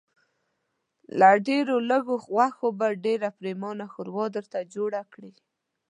له ډېرو لږو غوښو به ډېره پرېمانه ښوروا درته جوړه کړي.